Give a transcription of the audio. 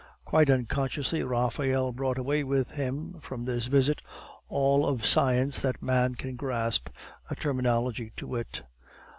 Quite unconsciously Raphael brought away with him from this visit, all of science that man can grasp, a terminology to wit.